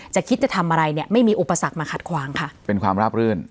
จะคิดจะทำอะไรเนี่ยไม่มีอุปสรรคมาขัดขวางค่ะเป็นความราบรื่น